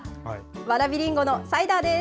わらびりんごのサイダーです。